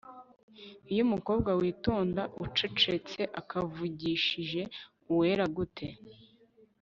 Iyo umukobwa witonda ucecetseakuvugishije umera gute